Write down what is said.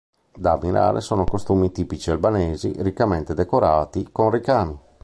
Da ammirare sono costumi tipici albanesi riccamente decorati con ricami.